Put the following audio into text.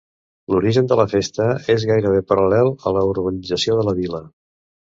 L’origen de la festa és gairebé paral·lel a la urbanització de la vila.